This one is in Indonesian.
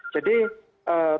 jadi berapa hari